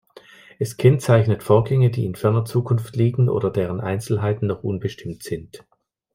Es kennzeichnet Vorgänge, die in ferner Zukunft liegen oder deren Einzelheiten noch unbestimmt sind.